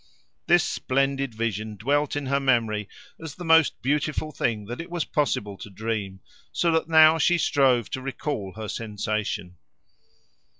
This splendid vision dwelt in her memory as the most beautiful thing that it was possible to dream, so that now she strove to recall her sensation.